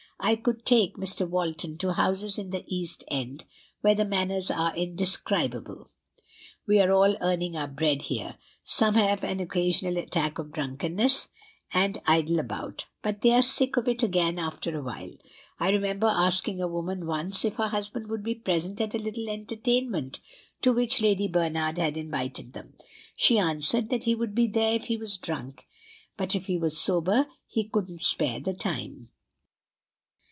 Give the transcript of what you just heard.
I could take Mr. Walton to houses in the East End, where the manners are indescribable. We are all earning our bread here. Some have an occasional attack of drunkenness, and idle about; but they are sick of it again after a while. I remember asking a woman once if her husband would be present at a little entertainment to which Lady Bernard had invited them: she answered that he would be there if he was drunk, but if he was sober he couldn't spare the time.